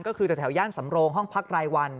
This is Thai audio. ก็คือแถวย่านสำโรงห้องพักรายวัน